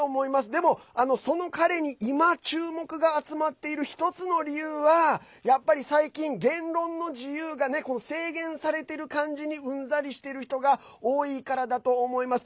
でも、その彼に今注目が集まっている１つの理由はやっぱり最近、言論の自由が制限されてる感じにうんざりしてる人が多いからだと思います。